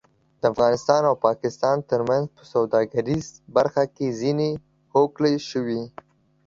د افغانستان او پاکستان ترمنځ په سوداګریزه برخه کې ځینې هوکړې شوې